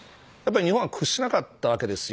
日本は屈しなかったわけですよ。